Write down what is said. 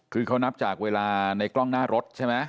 คือเขานับจากเวลาในกล้องหน้ารถใช่ไหม